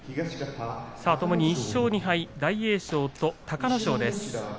ともに１勝２敗大栄翔と隆の勝です。